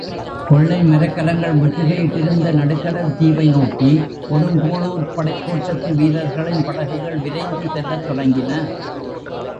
கொள்ளை மரக்கலங்கள் முற்றுகை யிட்டிருந்த நடுக்கடல் தீவை நோக்கி கொடுங்கோளூர்ப் படைக்கோட்டத்து வீரர்களின் படகுகள் விரைந்து செல்லத் தொடங்கின.